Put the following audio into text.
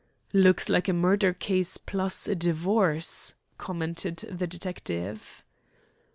"Looks like a murder case plus a divorce," commented the detective.